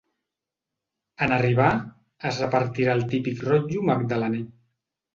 En arribar, es repartirà el típic rotllo magdalener.